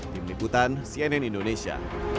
tim liputan cnn indonesia